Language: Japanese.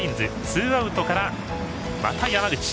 ツーアウトから、また山口。